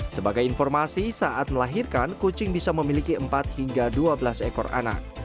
sebagai informasi saat melahirkan kucing bisa memiliki empat hingga dua belas ekor anak